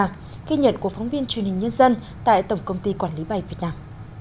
ghi nhận của phóng viên truyền hình nhân dân tại tổng công ty quản lý bay việt nam